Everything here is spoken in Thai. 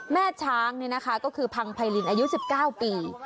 แม่พี่นี้ก็คือพังไฮลินอายุ๑๙ปี